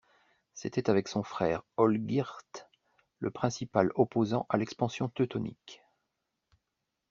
C'était avec son frère Olgierd le principal opposant à l'expansion teutonique.